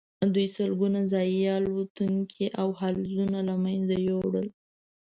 دوی سلګونه ځايي الوتونکي او حلزون له منځه یوړل.